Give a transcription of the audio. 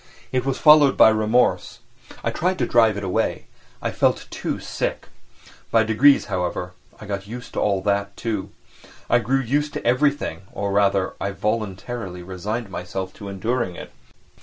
It was followed by remorse—I tried to drive it away; I felt too sick. By degrees, however, I grew used to that too. I grew used to everything, or rather I voluntarily resigned myself to enduring it.